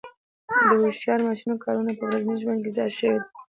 د هوښیار ماشینونو کارونه په ورځني ژوند کې زیات شوي دي.